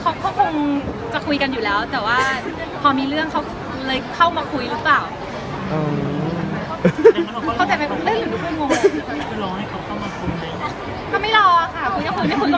ก็ไม่รอค่ะคุยกับคุณก็ไม่เป็นไรค่ะ